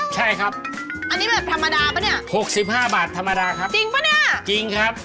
ใช่ครับอันนี้แบบธรรมดาป่ะเนี่ยหกสิบห้าบาทธรรมดาครับจริงป่ะเนี่ยจริงครับ